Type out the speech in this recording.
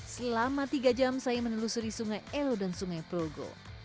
selama tiga jam saya menelusuri sungai elo dan sungai progo